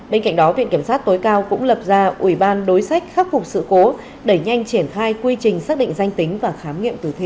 bên cạnh đó viện kiểm sát tối cao cũng lập ra ủy ban đối sách khắc phục sự cố đẩy nhanh triển khai quy trình xác định danh tính và khám nghiệm tử thi